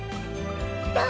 どう？